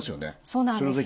そうなんです。